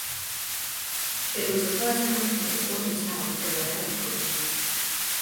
It was the first company of what is now the Go-Ahead Group.